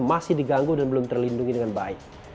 masih diganggu dan belum terlindungi dengan baik